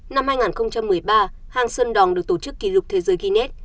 năm hai nghìn một mươi ba hang sơn đỏng được tổ chức kỷ lục thế giới guinness